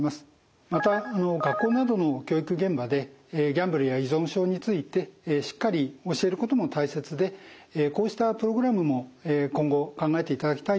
また学校などの教育現場でギャンブルや依存症についてしっかり教えることも大切でこうしたプログラムも今後考えていただきたいと思います。